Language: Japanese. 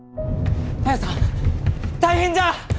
綾さん大変じゃ！